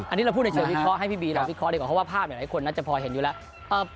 อันนี้เราพูดในเชิงวิเคราะห์ให้พี่บีเราวิเคราะห์ดีกว่าเพราะว่าภาพหลายคนน่าจะพอเห็นอยู่แล้ว